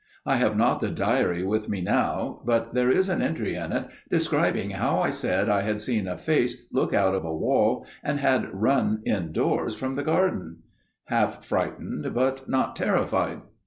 I have not the diary with me now, but there is an entry in it describing how I said I had seen a face look out of a wall and had run indoors from the garden; half frightened, but not terrified.